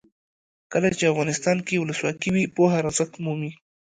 کله چې افغانستان کې ولسواکي وي پوهه ارزښت مومي.